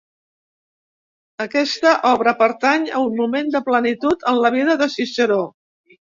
Aquesta obra pertany a un moment de plenitud en la vida de Ciceró.